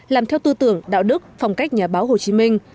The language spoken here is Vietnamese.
làm theo tư tưởng đạo đức phong cách nhà báo hồ chí minh